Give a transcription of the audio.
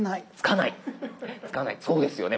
そうですよね